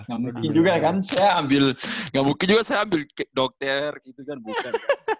nggak mungkin juga kan saya ambil nggak mungkin juga saya ambil dokter gitu kan bukan